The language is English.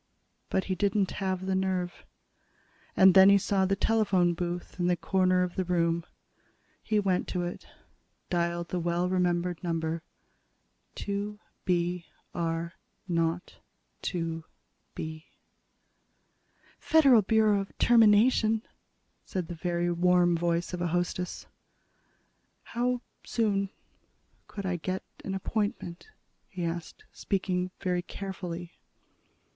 But he didn't have the nerve. And then he saw the telephone booth in the corner of the room. He went to it, dialed the well remembered number: "2 B R 0 2 B." "Federal Bureau of Termination," said the very warm voice of a hostess. "How soon could I get an appointment?" he asked, speaking very carefully.